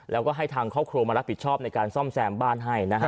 แล้วก็ให้ทางครอบครัวมารับผิดชอบในการซ่อมแซมบ้านให้นะฮะ